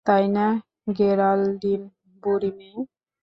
তাই না, গেরাল্ডিন, বুড়ি মেয়ে?